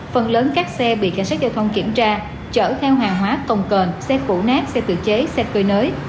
phần lớn các xe bị cảnh sát giao thông kiểm tra chở theo hàng hóa công cờn xe củ nát xe tự chế xe cơ giới